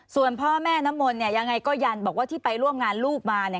ส่วนพ่อแม่น้ำมนต์ยังไงก็ยันบอกว่าที่ไปร่วมงานลูกมา